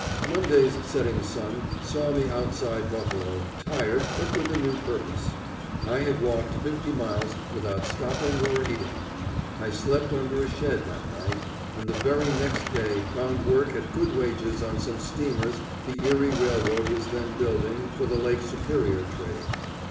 Monday's setting sun saw me outside Buffalo, tired, but with a new purpose. I had walked fifty miles without stopping or eating. I slept under a shed that night, and the very next day found work at good wages on some steamers the Erie Railroad was then building for the Lake Superior trade.